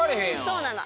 そうなの。